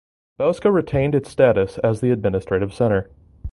Bauska retained its status as the administrative center.